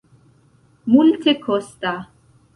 multekosta